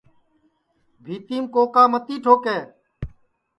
بھِیتِیم کوکا متی ٹھوکے